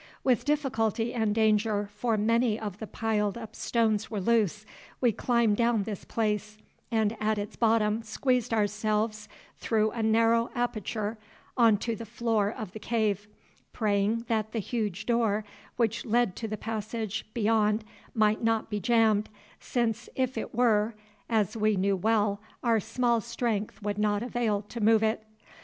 With difficulty and danger, for many of the piled up stones were loose, we climbed down this place, and at its bottom squeezed ourselves through a narrow aperture on to the floor of the cave, praying that the huge door which led to the passage beyond might not be jammed, since if it were, as we knew well, our small strength would not avail to move it.